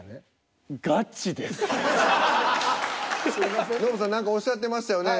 じゃノブさん何かおっしゃってましたよね。